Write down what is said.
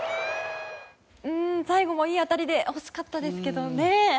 最後もいい当たりで惜しかったですけどね。